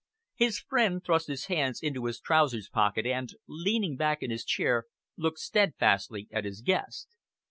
His friend thrust his hands into his trousers pocket and, leaning back in his chair, looked steadfastly at his guest.